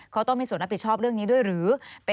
เขาต้องมีส่วนรับผิดชอบเรื่องนี้ด้วยหรือ